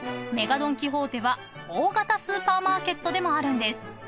ドン・キホーテは大型スーパーマーケットでもあるんです］